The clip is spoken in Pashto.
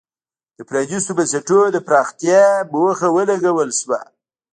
د پرانیستو بنسټونو د پراختیا موخه ولګول شوه.